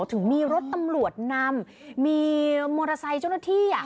ถึงมีรถตำรวจนำมีมอเตอร์ไซค์เจ้าหน้าที่